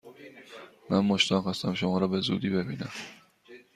من مشتاق هستم شما را به زودی ببینم!